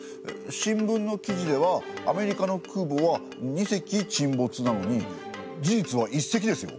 新聞の記事ではアメリカの空母は２隻沈没なのに事実は１隻ですよ。